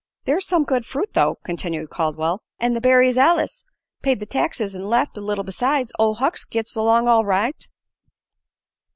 "There's some good fruit, though," continued Caldwell, "an' the berries allus paid the taxes an' left a little besides. Ol' Hucks gits along all right."